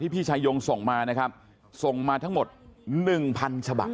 ที่พี่ชายงส่งมานะครับส่งมาทั้งหมดหนึ่งพันธุ์ฉบัตร